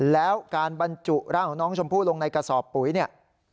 แล้วการบรรจุร่างของน้องชมพู่ลงในกระสอบปุ๋ยเนี่ย